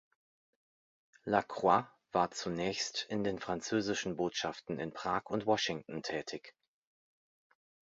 Lacroix war zunächst in den französischen Botschaften in Prag und Washington tätig.